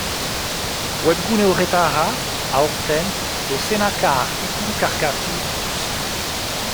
Webgune horretara, aurten, dozenaka artikulu kargatu dituzue.